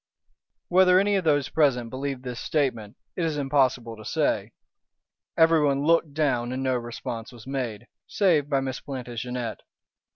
Whether any of those present believed this statement it is impossible to say. Everyone looked down and no response was made, save by Miss Plantagenet.